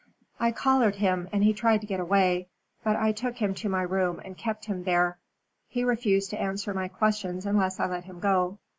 "I collared him, and he tried to get away. But I took him to my room and kept him there. He refused to answer my questions unless I let him go.